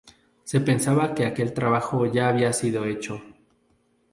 Se pensaba que aquel trabajo ya había sido hecho.